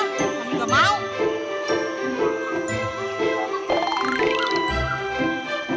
kamu nggak mau